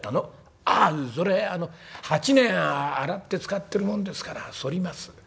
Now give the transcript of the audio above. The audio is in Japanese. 「あそれ８年洗って使ってるもんですから反ります」。